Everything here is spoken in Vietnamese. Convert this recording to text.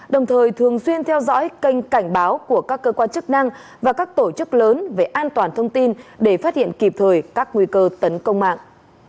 đồng thời thường xuyên theo dõi kênh cảnh báo của các cơ quan chức năng và các tổ chức lớn về an toàn thông tin để phát hiện kịp thời các nguy cơ tấn công mạng